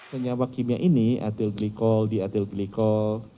penyawa kimia ini etilen glikol dietilen glikol